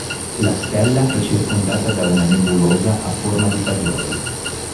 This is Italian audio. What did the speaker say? La stella è circondata da una nebulosa a forma di fagiolo.